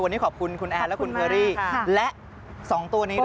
วันนี้ขอบคุณคุณแอร์และคุณเคอรี่และ๒ตัวนี้ด้วย